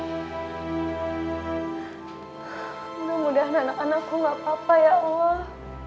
mudah mudahan anak anakku gak apa apa ya allah